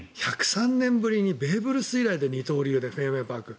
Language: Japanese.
１０３年ぶりにベーブ・ルース以来で二刀流でフェンウェイパーク。